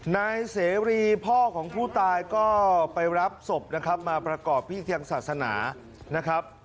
นายเสรีพ่อของผู้ตายก็ไปรับศพนะครับมาประกอบพิธีทางศาสนานะครับ